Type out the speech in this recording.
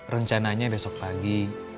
rencananya besok pagi